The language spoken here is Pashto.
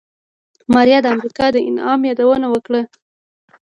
ماريا د امريکا د انعام يادونه وکړه.